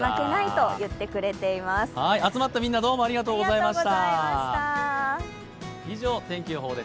集まってくれたみんな、どうもありがとうございました。